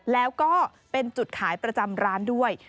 แล้วก็เป็นจุดขายประจำร้านด้วย